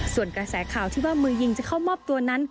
ส่วนกระแสข่าวที่ว่ามือยิงจะเข้ามอบตัวนั้น